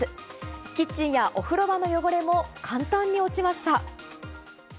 キッチンやお風呂場の汚れも簡単に落ちました。